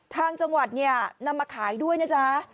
ทางจังหวัดเนี่ยนำมาขายด้วยนะจ๊ะ